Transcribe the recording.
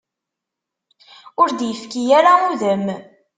Ur d-ifki ara udem.